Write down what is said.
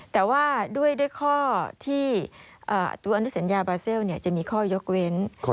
แต่ว่าด้วยข้อที่ตัวอนุสัญญาบราเซลจะมีข้อยกเว้น